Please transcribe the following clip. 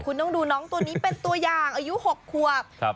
คุณต้องดูน้องตัวนี้เป็นตัวอย่างอายุ๖ควบ